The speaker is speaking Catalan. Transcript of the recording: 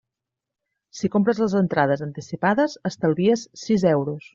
Si compres les entrades anticipades estalvies sis euros.